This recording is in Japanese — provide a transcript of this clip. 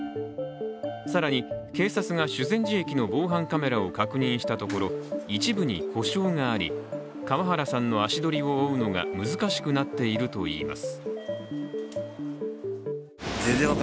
更に警察が修善寺駅の防犯カメラを確認したところ、一部に故障があり、川原さんの足取りを追うのが難しくなっていると言います。